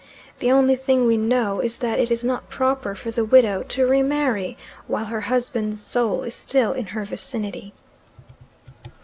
The only thing we know is that it is not proper for the widow to re marry while her husband's soul is still in her vicinity.